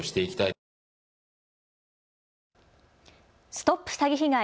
ＳＴＯＰ詐欺被害！